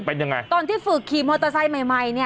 เป็นยังไงตอนที่ฝึกขี่มอเตอร์ไซค์ใหม่ใหม่เนี่ย